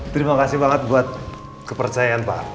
terima kasih banget buat kepercayaan pak